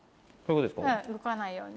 うん動かないように。